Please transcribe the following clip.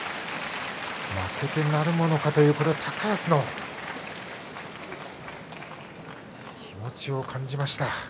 負けてなるものかと高安の気持ちを感じました。